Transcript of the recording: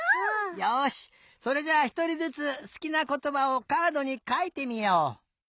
よしそれじゃあひとりずつすきなことばをカードにかいてみよう。